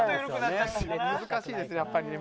難しいですね、やっぱり。